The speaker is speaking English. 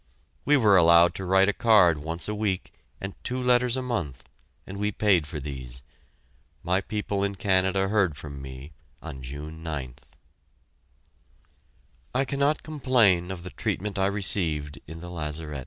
We were allowed to write a card once a week and two letters a month; and we paid for these. My people in Canada heard from me on June 9th. I cannot complain of the treatment I received in the lazaret.